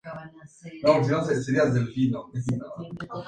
Giles, Faith, Willow y Buffy se enfrentan a un grupo de mujeres demonio.